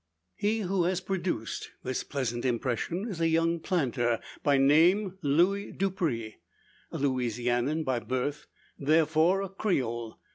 He, who has produced this pleasant impression, is a young planter, by name Luis Dupre. A Louisianian by birth, therefore a "Creole."